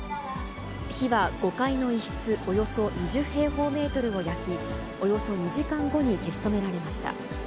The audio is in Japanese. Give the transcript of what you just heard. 火は５階の一室およそ２０平方メートルを焼き、およそ２時間後に消し止められました。